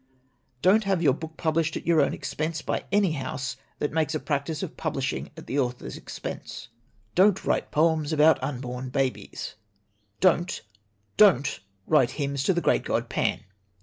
"Don't have your book published at your own expense by any house that makes a practice of publishing at the author's expense. "Don't write poems about unborn babies. "Don't don't write hymns to the great god Pan.